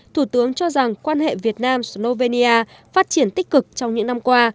thủ tướng cho rằng quan hệ việt nam slovenia phát triển tích cực trong những năm qua